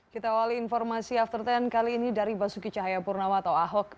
kita awali informasi after sepuluh kali ini dari basuki cahayapurnama atau ahok